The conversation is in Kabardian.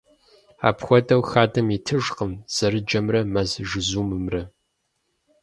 Апхуэдэу, хадэм итыжкъым зэрыджэмрэ мэз жызумымрэ.